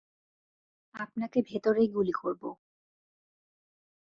আপনাকে ভেতরেই গুলি করবো।